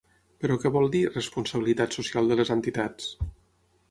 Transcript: Però què vol dir responsabilitat social de les entitats?